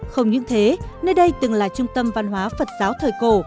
không những thế nơi đây từng là trung tâm văn hóa phật giáo thời cổ